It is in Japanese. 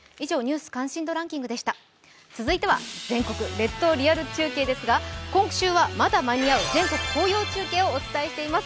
続いては全国列島リアル中継ですが、今週は、まだ間に合う全国紅葉中継をお伝えしています。